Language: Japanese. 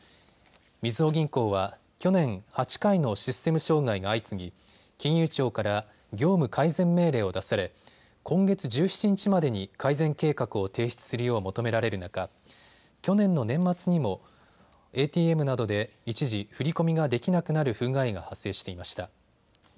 みずほ銀行は去年、８回のシステム障害が相次ぎ金融庁から業務改善命令を出され今月１７日までに改善計画を提出するよう求められる中、去年の年末にもＡＴＭなどで一時、振り込みができなくなる不具合が発生していました。